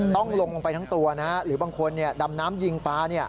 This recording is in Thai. ต้องลงไปทั้งตัวหรือบางคนดำน้ำยิงปลา